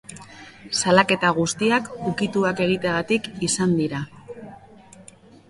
Salaketa guztiak ukituak egiteagatik izan dira.